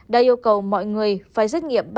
đã yêu cầu mọi người phải xét nghiệm